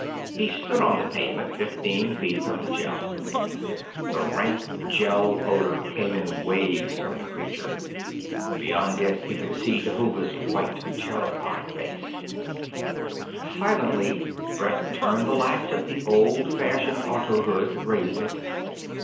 He stood on the pavement, fifteen feet from the Gel. The rank Gel odor came in waves from the creature. Beyond it he could see Dhuva's white terrified face. Silently Brett turned the latch of the old fashioned auto hood, raised it.